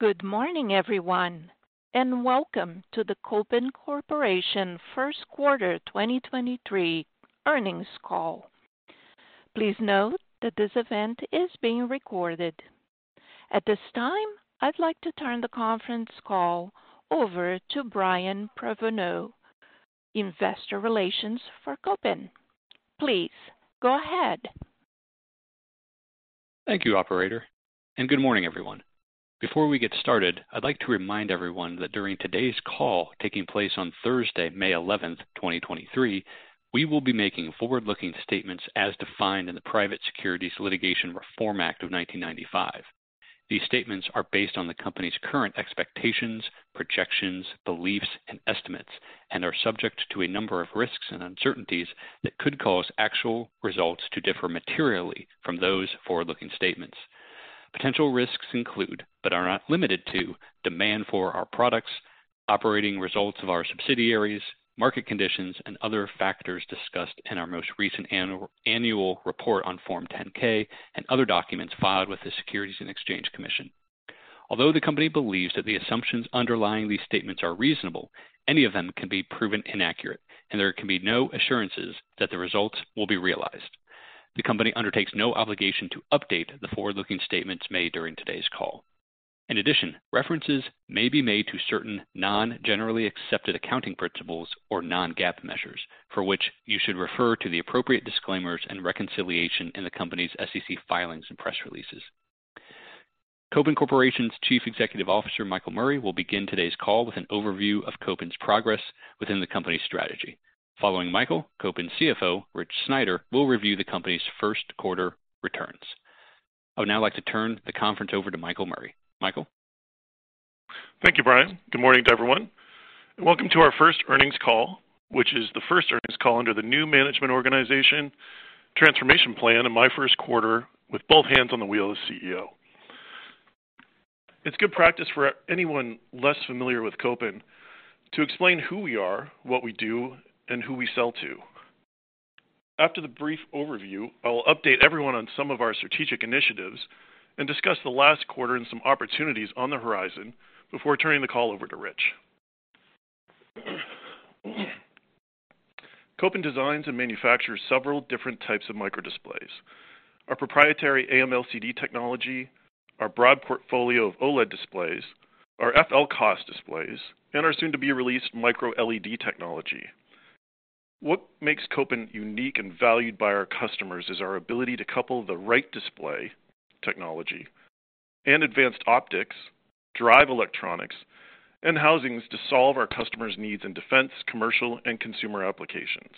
Good morning, everyone, welcome to the Kopin Corporation first quarter 2023 earnings call. Please note that this event is being recorded. At this time, I'd like to turn the conference call over to Brian Prenoveau, Investor Relations for Kopin. Please go ahead. Thank you, operator, and good morning, everyone. Before we get started, I'd like to remind everyone that during today's call, taking place on Thursday, May 11th, 2023, we will be making forward-looking statements as defined in the Private Securities Litigation Reform Act of 1995. These statements are based on the company's current expectations, projections, beliefs, and estimates and are subject to a number of risks and uncertainties that could cause actual results to differ materially from those forward-looking statements. Potential risks include, but are not limited to demand for our products, operating results of our subsidiaries, market conditions, and other factors discussed in our most recent annual report on Form 10-K and other documents filed with the Securities and Exchange Commission. Although the company believes that the assumptions underlying these statements are reasonable, any of them can be proven inaccurate, and there can be no assurances that the results will be realized. The company undertakes no obligation to update the forward-looking statements made during today's call. In addition, references may be made to certain non-generally accepted accounting principles or non-GAAP measures for which you should refer to the appropriate disclaimers and reconciliation in the company's SEC filings and press releases. Kopin Corporation's Chief Executive Officer, Michael Murray, will begin today's call with an overview of Kopin's progress within the company strategy. Following Michael, Kopin's CFO, Rich Sneider, will review the company's first quarter returns. I would now like to turn the conference over to Michael Murray. Michael. Thank you, Brian. Good morning to everyone, and welcome to our first earnings call, which is the first earnings call under the new management organization transformation plan and my first quarter with both hands on the wheel as CEO. It's good practice for anyone less familiar with Kopin to explain who we are, what we do, and who we sell to. After the brief overview, I will update everyone on some of our strategic initiatives and discuss the last quarter and some opportunities on the horizon before turning the call over to Rich. Kopin designs and manufactures several different types of microdisplays. Our proprietary AMLCD technology, our broad portfolio of OLED displays, our FLCOS displays, and our soon-to-be-released micro-LED technology. What makes Kopin unique and valued by our customers is our ability to couple the right display technology and advanced optics, drive electronics, and housings to solve our customers' needs in defense, commercial, and consumer applications.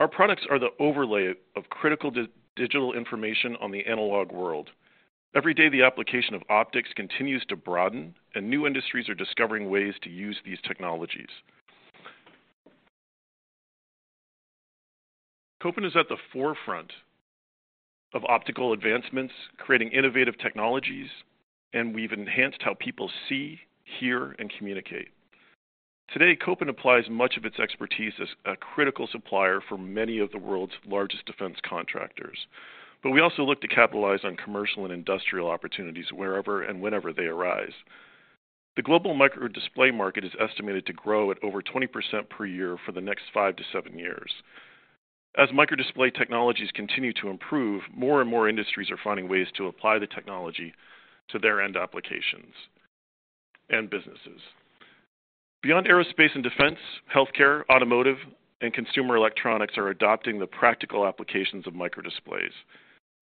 Our products are the overlay of critical digital information on the analog world. Every day, the application of optics continues to broaden. New industries are discovering ways to use these technologies. Kopin is at the forefront of optical advancements, creating innovative technologies. We've enhanced how people see, hear, and communicate. Today, Kopin applies much of its expertise as a critical supplier for many of the world's largest defense contractors. We also look to capitalize on commercial and industrial opportunities wherever and whenever they arise. The global microdisplay market is estimated to grow at over 20% per year for the next 5-7 years. As microdisplay technologies continue to improve, more and more industries are finding ways to apply the technology to their end applications and businesses. Beyond aerospace and defense, healthcare, automotive, and consumer electronics are adopting the practical applications of microdisplays.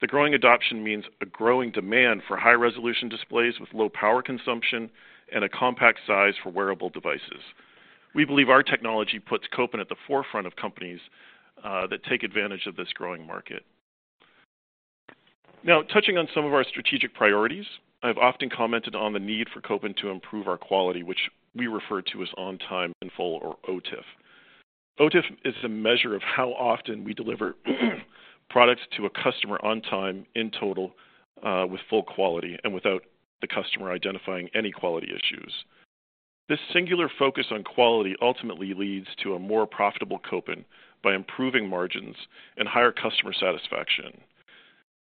The growing adoption means a growing demand for high-resolution displays with low power consumption and a compact size for wearable devices. We believe our technology puts Kopin at the forefront of companies that take advantage of this growing market. Touching on some of our strategic priorities, I've often commented on the need for Kopin to improve our quality, which we refer to as on time in full or OTIF. OTIF is a measure of how often we deliver products to a customer on time in total, with full quality and without the customer identifying any quality issues. This singular focus on quality ultimately leads to a more profitable Kopin by improving margins and higher customer satisfaction.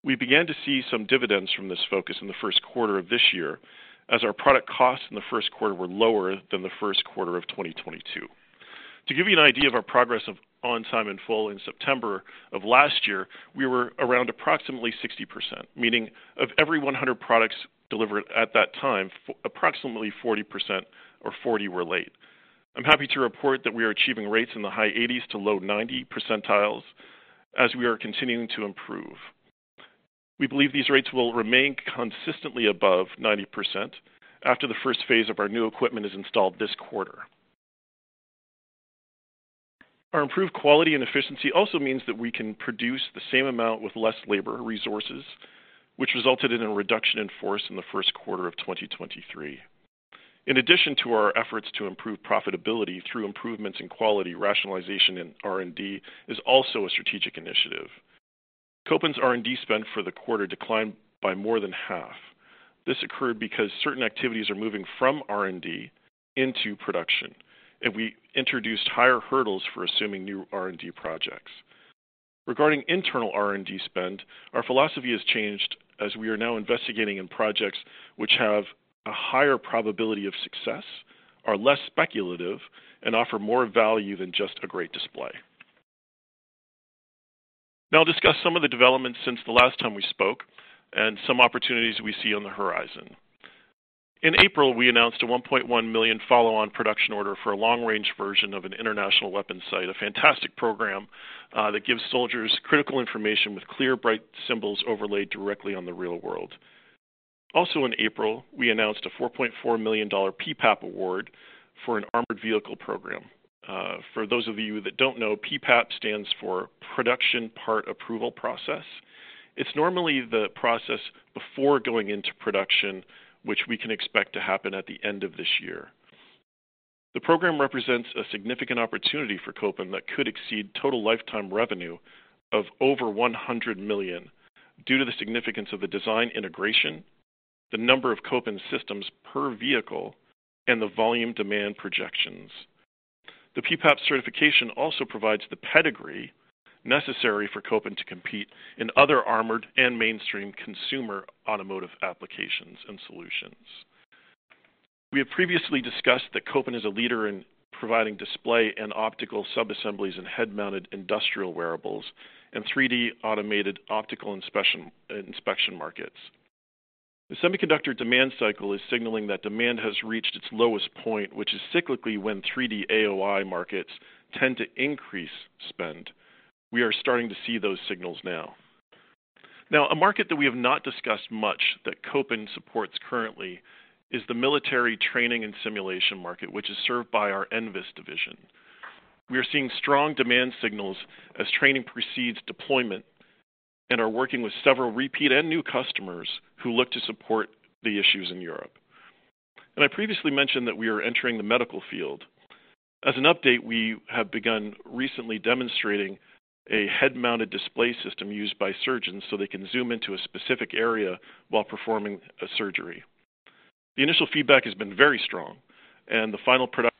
We began to see some dividends from this focus in the first quarter of this year as our product costs in the first quarter were lower than the first quarter of 2022. To give you an idea of our progress of on time in full, in September of last year, we were around approximately 60%, meaning of every 100 products delivered at that time, approximately 40% or 40 were late. I'm happy to report that we are achieving rates in the high 80s to low 90 percentiles as we are continuing to improve. We believe these rates will remain consistently above 90% after the first phase of our new equipment is installed this quarter. Our improved quality and efficiency also means that we can produce the same amount with less labor resources, which resulted in a reduction in force in the first quarter of 2023. In addition to our efforts to improve profitability through improvements in quality, rationalization in R&D is also a strategic initiative. Kopin's R&D spend for the quarter declined by more than half. This occurred because certain activities are moving from R&D into production, and we introduced higher hurdles for assuming new R&D projects. Regarding internal R&D spend, our philosophy has changed as we are now investigating in projects which have a higher probability of success, are less speculative, and offer more value than just a great display. Now I'll discuss some of the developments since the last time we spoke and some opportunities we see on the horizon. In April, we announced a $1.1 million follow-on production order for a long-range version of an international weapon site, a fantastic program that gives soldiers critical information with clear, bright symbols overlaid directly on the real world. Also in April, we announced a $4.4 million PPAP award for an armored vehicle program. For those of you that don't know, PPAP stands for Production Part Approval Process. It's normally the process before going into production, which we can expect to happen at the end of this year. The program represents a significant opportunity for Kopin that could exceed total lifetime revenue of over $100 million due to the significance of the design integration, the number of Kopin systems per vehicle, and the volume demand projections. The PPAP certification also provides the pedigree necessary for Kopin to compete in other armored and mainstream consumer automotive applications and solutions. We have previously discussed that Kopin is a leader in providing display and optical sub-assemblies and head-mounted industrial wearables and 3D AOI markets. The semiconductor demand cycle is signaling that demand has reached its lowest point, which is cyclically when 3D AOI markets tend to increase spend. We are starting to see those signals now. A market that we have not discussed much that Kopin supports currently is the military training and simulation market, which is served by our NVIS division. We are seeing strong demand signals as training precedes deployment and are working with several repeat and new customers who look to support the issues in Europe. I previously mentioned that we are entering the medical field. As an update, we have begun recently demonstrating a head-mounted display system used by surgeons so they can zoom into a specific area while performing a surgery. The initial feedback has been very strong and the final production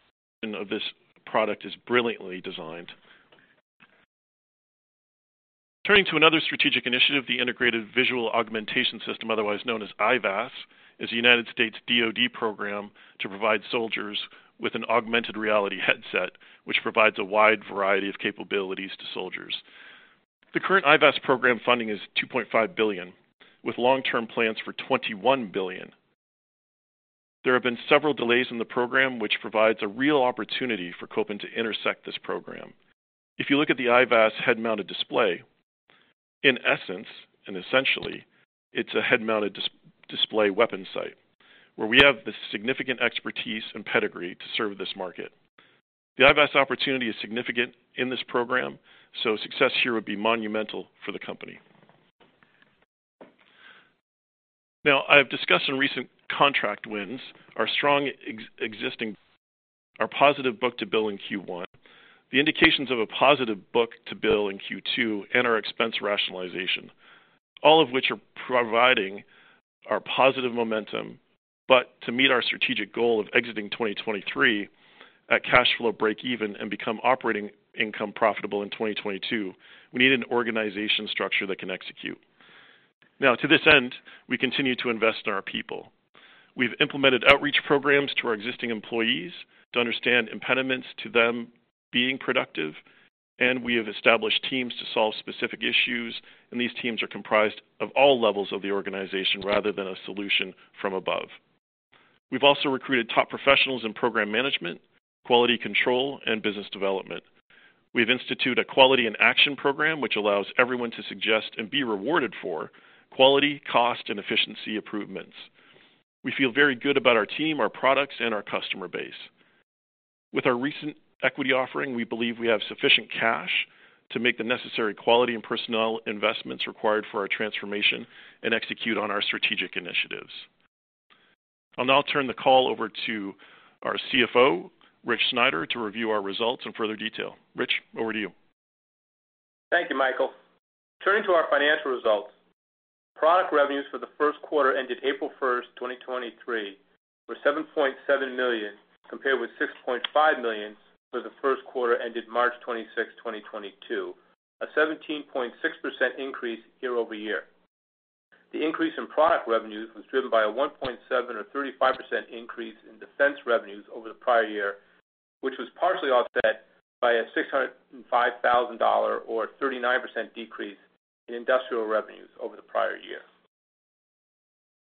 of this product is brilliantly designed. Turning to another strategic initiative, the Integrated Visual Augmentation System, otherwise known as IVAS, is a United States DoD program to provide soldiers with an augmented reality headset, which provides a wide variety of capabilities to soldiers. The current IVAS program funding is $2.5 billion, with long-term plans for $21 billion. There have been several delays in the program, which provides a real opportunity for Kopin to intersect this program. If you look at the IVAS head-mounted display, in essence, and essentially, it's a head-mounted display weapon site where we have the significant expertise and pedigree to serve this market. The IVAS opportunity is significant in this program, so success here would be monumental for the company. Now, I've discussed some recent contract wins, our strong our positive book-to-bill in Q1, the indications of a positive book-to-bill in Q2, and our expense rationalization, all of which are providing our positive momentum. To meet our strategic goal of exiting 2023 at cash flow break even and become operating income profitable in 2022, we need an organization structure that can execute. Now to this end, we continue to invest in our people. We've implemented outreach programs to our existing employees to understand impediments to them being productive, and we have established teams to solve specific issues, and these teams are comprised of all levels of the organization rather than a solution from above. We've also recruited top professionals in program management, quality control, and business development. We've institute a quality and action program, which allows everyone to suggest and be rewarded for quality, cost, and efficiency improvements. We feel very good about our team, our products, and our customer base. With our recent equity offering, we believe we have sufficient cash to make the necessary quality and personnel investments required for our transformation and execute on our strategic initiatives. I'll now turn the call over to our CFO, Rich Sneider, to review our results in further detail. Rich, over to you. Thank you, Michael. Turning to our financial results. Product revenues for the first quarter ended April 1, 2023, were $7.7 million, compared with $6.5 million for the first quarter ended March 26, 2022, a 17.6% increase year-over-year. The increase in product revenues was driven by a $1.7 million or 35% increase in defense revenues over the prior year, which was partially offset by a $605,000 or 39% decrease in industrial revenues over the prior year.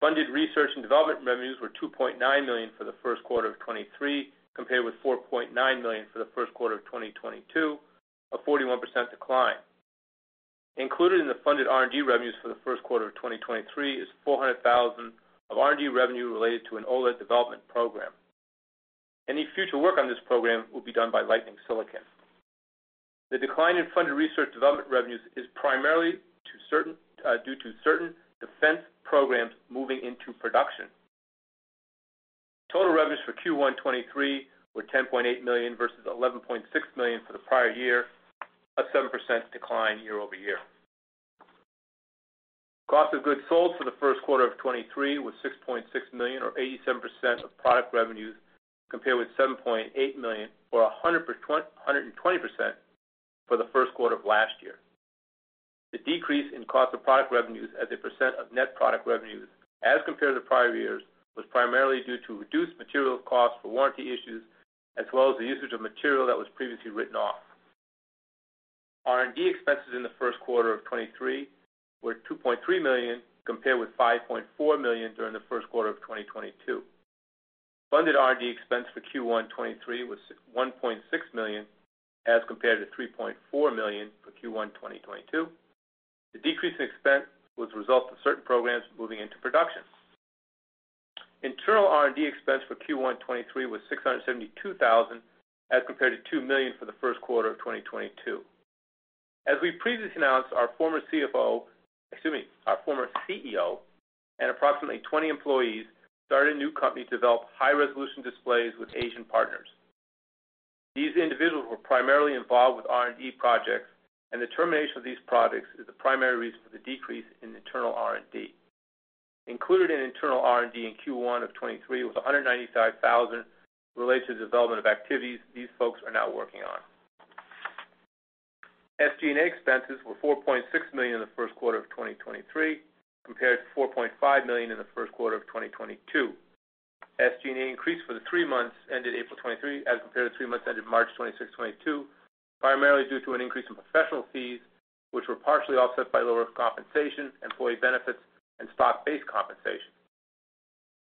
Funded research and development revenues were $2.9 million for the first quarter of 2023, compared with $4.9 million for the first quarter of 2022, a 41% decline. Included in the funded R&D revenues for the first quarter of 2023 is $400,000 of R&D revenue related to an OLED Development Program. Any future work on this program will be done by Lightning Silicon. The decline in funded research development revenues is primarily due to certain defense programs moving into production. For Q1 2023 were $10.8 million versus $11.6 million for the prior year, a 7% decline year-over-year. Cost of goods sold for the first quarter of 2023 was $6.6 million, or 87% of product revenues, compared with $7.8 million or 120% for the first quarter of last year. The decrease in cost of product revenues as a percent of net product revenues as compared to prior years was primarily due to reduced material costs for warranty issues, as well as the usage of material that was previously written off. R&D expenses in the first quarter of 2023 were $2.3 million, compared with $5.4 million during the first quarter of 2022. Funded R&D expense for Q1 2023 was $1.6 million, as compared to $3.4 million for Q1 2022. The decrease in expense was a result of certain programs moving into production. Internal R&D expense for Q1 2023 was $672,000, as compared to $2 million for the first quarter of 2022. As we previously announced, our former CFO, excuse me, our former CEO and approximately 20 employees started a new company to develop high-resolution displays with Asian partners. These individuals were primarily involved with R&D projects, and the termination of these projects is the primary reason for the decrease in internal R&D. Included in internal R&D in Q1 of 2023 was $195,000 related to the development of activities these folks are now working on. SG&A expenses were $4.6 million in the first quarter of 2023, compared to $4.5 million in the first quarter of 2022. SG&A increased for the three months ended April 2023 as compared to three months ended March 26, 2022, primarily due to an increase in professional fees, which were partially offset by lower compensation, employee benefits, and stock-based compensation.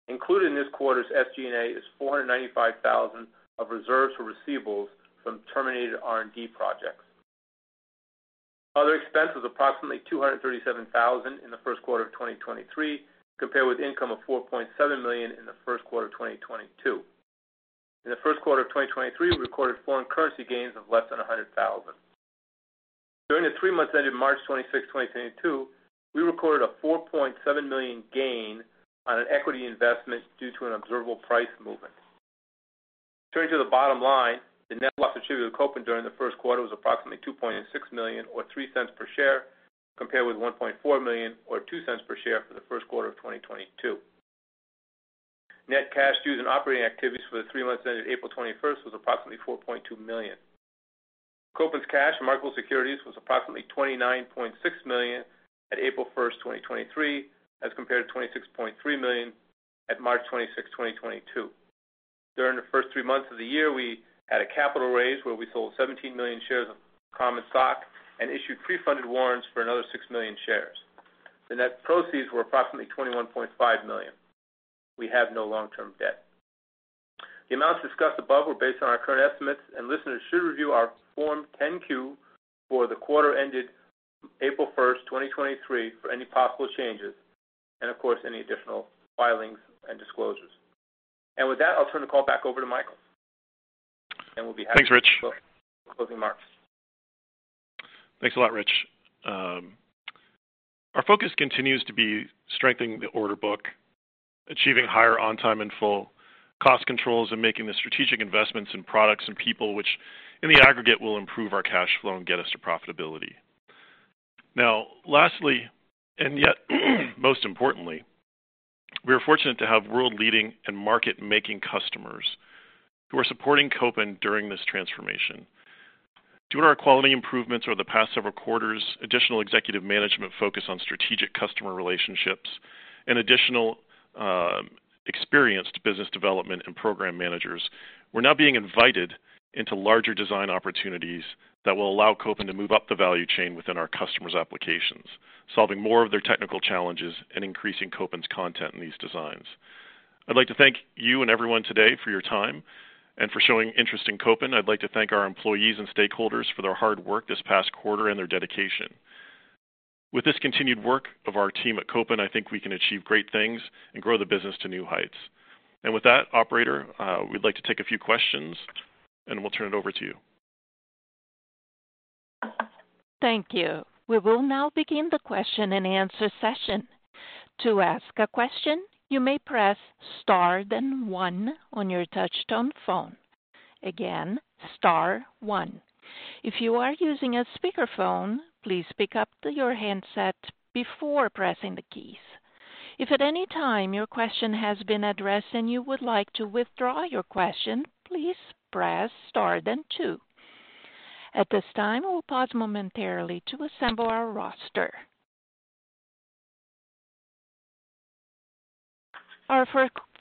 Included in this quarter's SG&A is $495,000 of reserves for receivables from terminated R&D projects. Other expenses, approximately $237,000 in the first quarter of 2023, compared with income of $4.7 million in the first quarter of 2022. In the first quarter of 2023, we recorded foreign currency gains of less than $100,000. During the three months ending March 26, 2022, we recorded a $4.7 million gain on an equity investment due to an observable price movement. Turning to the bottom line, the net loss attributed to Kopin during the first quarter was approximately $2.6 million or $0.03 per share, compared with $1.4 million or $0.02 per share for the first quarter of 2022. Net cash used in operating activities for the three months ended April 21 was approximately $4.2 million. Kopin's cash and marketable securities was approximately $29.6 million at April 1, 2023, as compared to $26.3 million at March 26, 2022. During the first three months of the year, we had a capital raise where we sold 17 million shares of common stock and issued pre-funded warrants for another 6 million shares. The net proceeds were approximately $21.5 million. We have no long-term debt. The amounts discussed above were based on our current estimates. Listeners should review our Form 10-Q for the quarter ended April 1st, 2023 for any possible changes and of course, any additional filings and disclosures. With that, I'll turn the call back over to Michael, and we'll be happy- Thanks, Rich. closing remarks. Thanks a lot, Rich. Our focus continues to be strengthening the order book, achieving higher on time and full cost controls, and making the strategic investments in products and people which in the aggregate will improve our cash flow and get us to profitability. Lastly, most importantly, we are fortunate to have world-leading and market-making customers who are supporting Kopin during this transformation. Due to our quality improvements over the past several quarters, additional executive management focus on strategic customer relationships, and additional experienced business development and program managers, we're now being invited into larger design opportunities that will allow Kopin to move up the value chain within our customers' applications, solving more of their technical challenges and increasing Kopin's content in these designs. I'd like to thank you and everyone today for your time and for showing interest in Kopin. I'd like to thank our employees and stakeholders for their hard work this past quarter and their dedication. With this continued work of our team at Kopin, I think we can achieve great things and grow the business to new heights. With that, operator, we'd like to take a few questions, and we'll turn it over to you. Thank you. We will now begin the question and answer session. To ask a question, you may press star 1 on your touchtone phone. Again, star 1. If you are using a speakerphone, please pick up your handset before pressing the keys. If at any time your question has been addressed and you would like to withdraw your question, please press star 2. At this time, we'll pause momentarily to assemble our roster. Our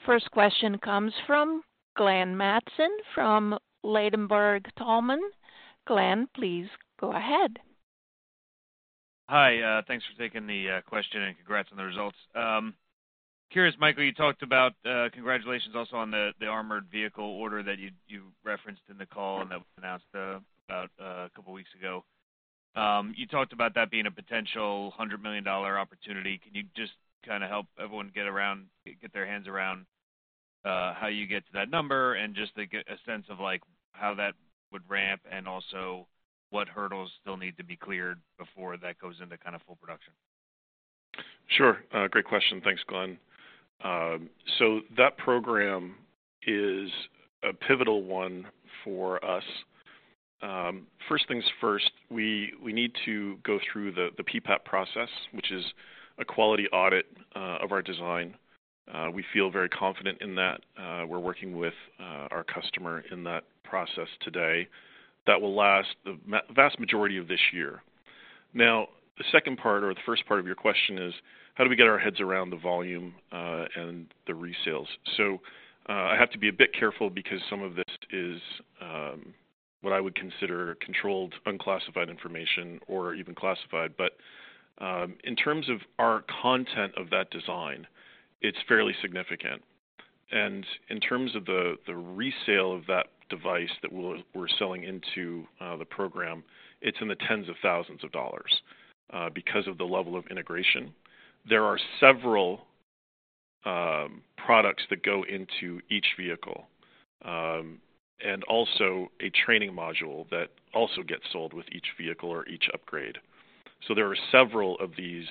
first question comes from Glenn Mattson from Ladenburg Thalmann. Glenn, please go ahead. Hi, thanks for taking the question, and congrats on the results. Curious, Michael, you talked about congratulations also on the armored vehicle order that you referenced in the call and that was announced about a couple weeks ago. You talked about that being a potential $100 million opportunity. Can you just kinda help everyone get around get their hands around how you get to that number and just to get a sense of, like, how that would ramp and also what hurdles still need to be cleared before that goes into kind of full production? Sure. Great question. Thanks, Glenn Mattson. That program is a pivotal one for us. First things first, we need to go through the PPAP process, which is a quality audit of our design. We feel very confident in that. We're working with our customer in that process today. That will last the vast majority of this year. The second part or the first part of your question is how do we get our heads around the volume and the resales? I have to be a bit careful because some of this is what I would consider controlled, unclassified information or even classified. In terms of our content of that design, it's fairly significant. In terms of the resale of that device that we're selling into the program, it's in the $10,000s because of the level of integration. There are several products that go into each vehicle and also a training module that also gets sold with each vehicle or each upgrade. There are several of these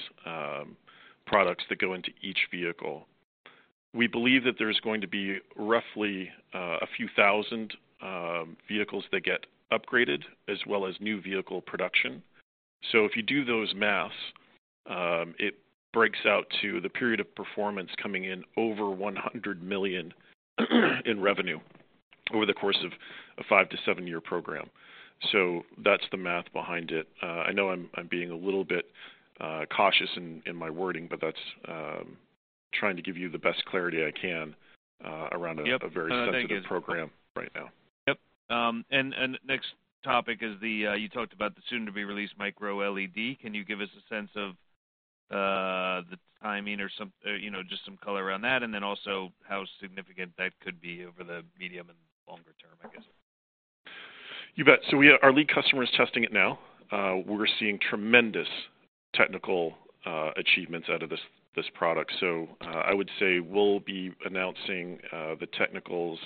products that go into each vehicle. We believe that there's going to be roughly a few thousand vehicles that get upgraded as well as new vehicle production. If you do those math, it breaks out to the period of performance coming in over $100 million in revenue over the course of a five to seven-year program. That's the math behind it. I know I'm being a little bit cautious in my wording, but that's trying to give you the best clarity I can around. Yep... a very sensitive program right now. Yep. Next topic is the, you talked about the soon-to-be-released micro-LED. Can you give us a sense of the timing or, you know, just some color around that, and then also how significant that could be over the medium and longer term, I guess? You bet. Our lead customer is testing it now. We're seeing tremendous technical achievements out of this product. I would say we'll be announcing the technicals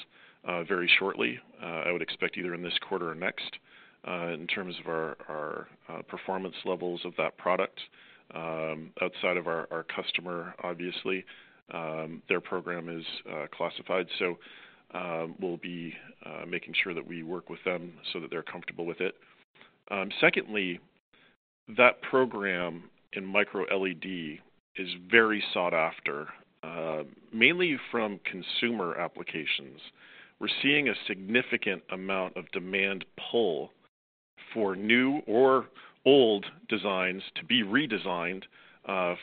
very shortly. I would expect either in this quarter or next in terms of our performance levels of that product outside of our customer obviously. Their program is classified, so we'll be making sure that we work with them so that they're comfortable with it. Secondly, that program in micro-LED is very sought after, mainly from consumer applications. We're seeing a significant amount of demand pull for new or old designs to be redesigned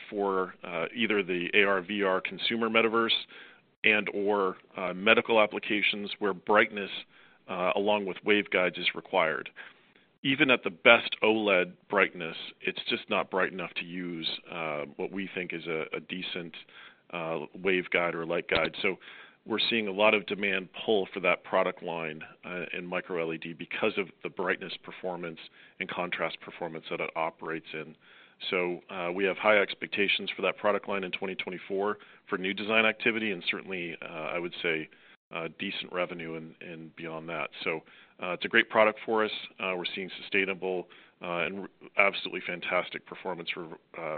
for either the AR/VR consumer metaverse and/or medical applications where brightness along with waveguides is required. Even at the best OLED brightness, it's just not bright enough to use what we think is a decent waveguide or light guide. We're seeing a lot of demand pull for that product line in micro-LED because of the brightness performance and contrast performance that it operates in. We have high expectations for that product line in 2024 for new design activity, and certainly, I would say, decent revenue beyond that. It's a great product for us. We're seeing sustainable and absolutely fantastic performance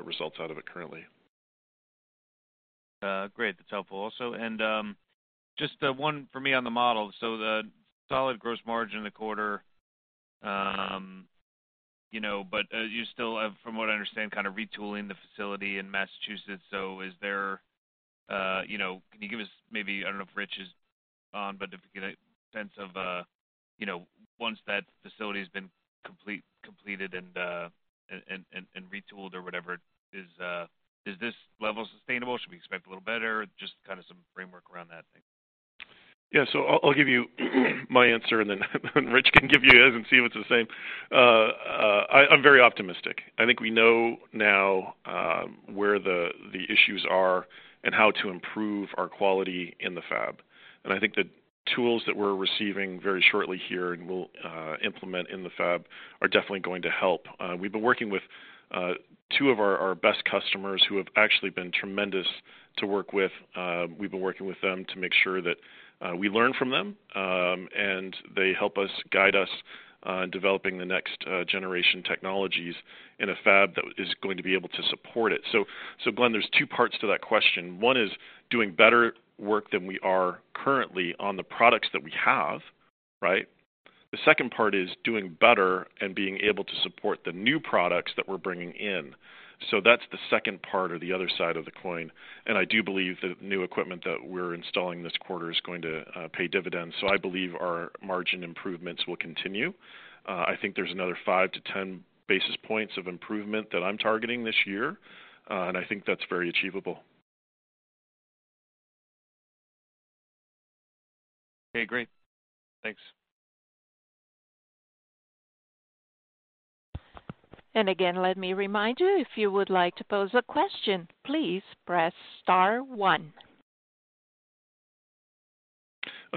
results out of it currently. Great. That's helpful. Also, just one for me on the model. The solid gross margin in the quarter, you know, but you still have, from what I understand, kind of retooling the facility in Massachusetts. Is there, you know, can you give us maybe, I don't know if Rich is on, but if you get a sense of, you know, once that facility's been completed and retooled or whatever, is this level sustainable? Should we expect a little better? Just kind of some framework around that. Thanks. Yeah. I'll give you my answer, and then Rich can give you his and see if it's the same. I'm very optimistic. I think we know now where the issues are and how to improve our quality in the fab. I think the tools that we're receiving very shortly here and we'll implement in the fab are definitely going to help. We've been working with two of our best customers who have actually been tremendous to work with. We've been working with them to make sure that we learn from them, and they help us guide us in developing the next generation technologies in a fab that is going to be able to support it. Glenn, there's two parts to that question. One is doing better work than we are currently on the products that we have, right? The second part is doing better and being able to support the new products that we're bringing in. That's the second part or the other side of the coin. I do believe the new equipment that we're installing this quarter is going to pay dividends. I believe our margin improvements will continue. I think there's another 5 to 10 basis points of improvement that I'm targeting this year, and I think that's very achievable. Okay, great. Thanks. Again, let me remind you, if you would like to pose a question, please press star one.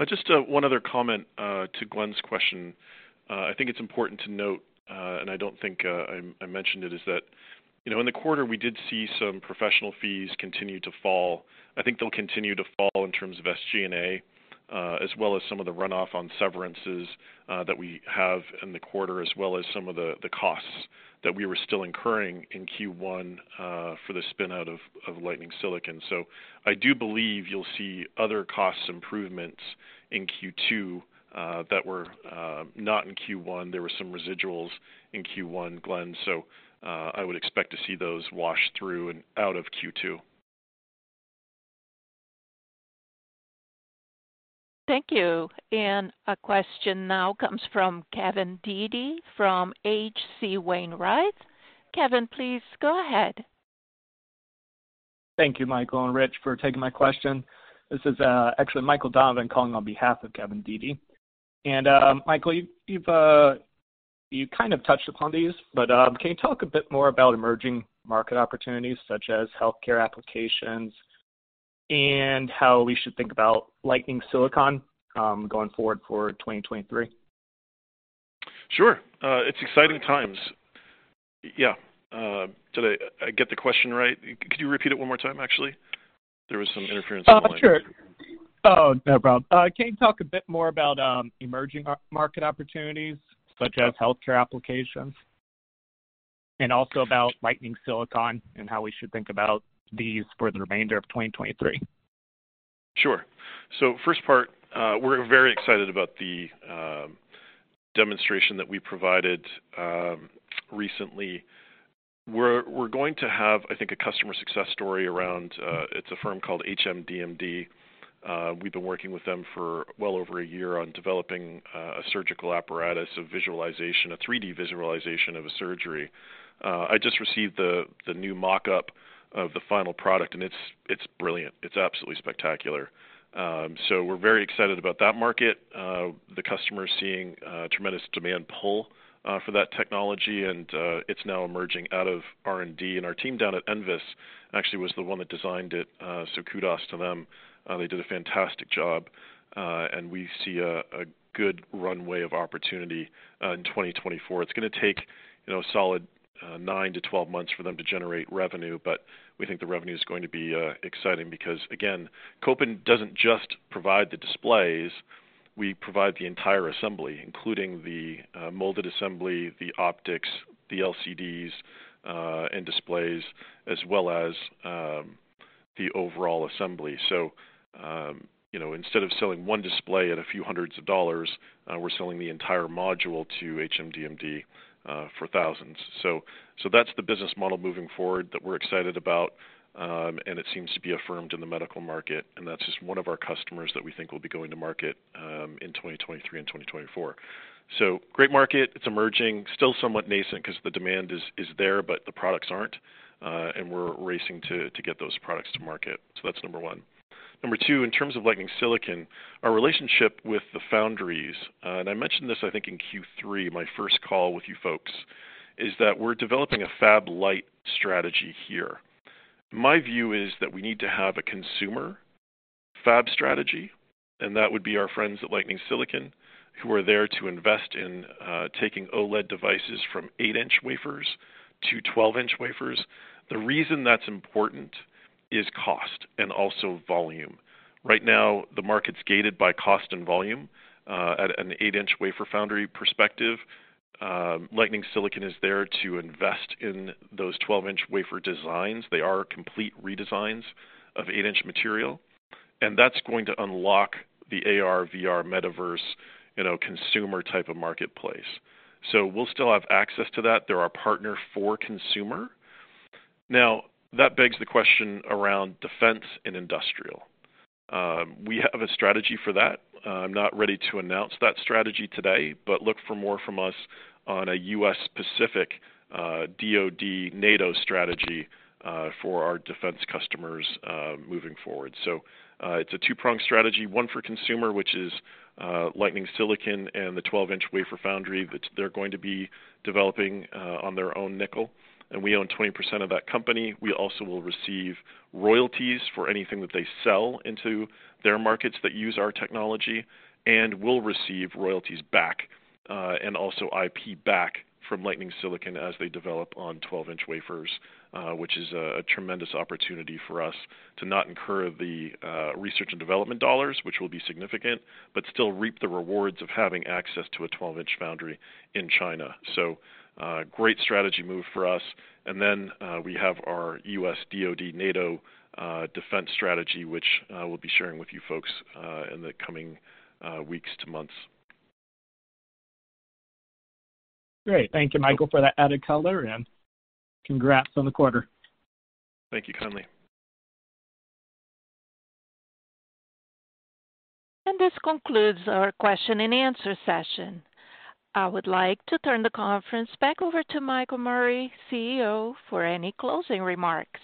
Just one other comment to Glenn's question. I think it's important to note, and I don't think I mentioned it, is that, you know, in the quarter, we did see some professional fees continue to fall. I think they'll continue to fall in terms of SG&A, as well as some of the runoff on severances, that we have in the quarter, as well as some of the costs that we were still incurring in Q1, for the spin-out of Lightning Silicon. I do believe you'll see other cost improvements in Q2 that were not in Q1. There were some residuals in Q1, Glenn. I would expect to see those wash through and out of Q2. Thank you. A question now comes from Kevin Dede from H.C. Wainwright. Kevin, please go ahead. Thank you, Michael and Rich, for taking my question. This is actually Michael Donovan calling on behalf of Kevin Dede. Michael, you've kind of touched upon these, but can you talk a bit more about emerging market opportunities such as healthcare applications and how we should think about Lightning Silicon Technology going forward for 2023? Sure. It's exciting times. Yeah. Did I get the question right? Could you repeat it one more time, actually? There was some interference on the line. Sure. No problem. Can you talk a bit more about emerging market opportunities such as healthcare applications and also about Lightning Silicon and how we should think about these for the remainder of 2023? Sure. First part, we're very excited about the demonstration that we provided recently. We're going to have, I think, a customer success story around it's a firm called HMDmd. We've been working with them for well over a year on developing a surgical apparatus of visualization, a 3D visualization of a surgery. I just received the new mock-up of the final product, and it's brilliant. It's absolutely spectacular. We're very excited about that market. The customer is seeing a tremendous demand pull for that technology, and it's now emerging out of R&D. Our team down at NVIS actually was the one that designed it, kudos to them. They did a fantastic job. We see a good runway of opportunity in 2024. It's gonna take, you know, a solid, 9-12 months for them to generate revenue, but we think the revenue is going to be exciting because, again, Kopin doesn't just provide the displays. We provide the entire assembly, including the molded assembly, the optics, the LCDs, and displays, as well as, the overall assembly. You know, instead of selling one display at a few hundreds of dollars, we're selling the entire module to HMDmd, for thousands. That's the business model moving forward that we're excited about, and it seems to be affirmed in the medical market, and that's just one of our customers that we think will be going to market, in 2023 and 2024. Great market. It's emerging, still somewhat nascent 'cause the demand is there, but the products aren't, and we're racing to get those products to market. That's number one. Number two, in terms of Lightning Silicon, our relationship with the foundries, and I mentioned this, I think, in Q3, my first call with you folks, is that we're developing a fab light strategy here. My view is that we need to have a consumer fab strategy, and that would be our friends at Lightning Silicon who are there to invest in taking OLED devices from 8-inch wafers to 12-inch wafers. The reason that's important is cost and also volume. Right now, the market's gated by cost and volume at an 8-inch wafer foundry perspective. Lightning Silicon is there to invest in those 12-inch wafer designs. They are complete redesigns of 8-inch material, that's going to unlock the AR/VR metaverse, you know, consumer type of marketplace. We'll still have access to that. They're our partner for consumer. Now, that begs the question around defense and industrial. We have a strategy for that. I'm not ready to announce that strategy today, but look for more from us on a U.S. Pacific DoD NATO strategy for our defense customers moving forward. It's a two-pronged strategy, one for consumer, which is Lightning Silicon and the 12-inch wafer foundry that they're going to be developing on their own nickel. We own 20% of that company. We also will receive royalties for anything that they sell into their markets that use our technology. We'll receive royalties back, and also IP back from Lightning Silicon as they develop on 12-inch wafers, which is a tremendous opportunity for us to not incur the research and development dollars, which will be significant, but still reap the rewards of having access to a 12-inch foundry in China. Great strategy move for us. We have our U.S. DoD NATO defense strategy, which we'll be sharing with you folks in the coming weeks to months. Great. Thank you, Michael, for that added color and congrats on the quarter. Thank you kindly. This concludes our question and answer session. I would like to turn the conference back over to Michael Murray, CEO, for any closing remarks.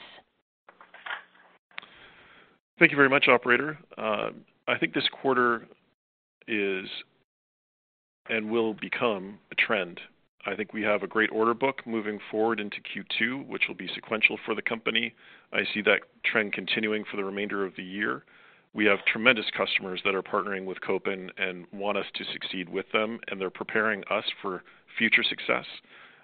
Thank you very much, operator. I think this quarter is and will become a trend. I think we have a great order book moving forward into Q2, which will be sequential for the company. I see that trend continuing for the remainder of the year. We have tremendous customers that are partnering with Kopin and want us to succeed with them, and they're preparing us for future success.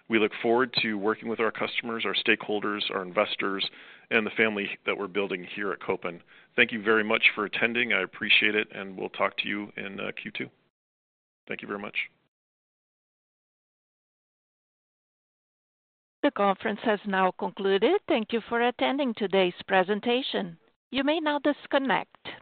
We look forward to working with our customers, our stakeholders, our investors, and the family that we're building here at Kopin. Thank you very much for attending. I appreciate it, and we'll talk to you in Q2. Thank you very much. The conference has now concluded. Thank you for attending today's presentation. You may now disconnect.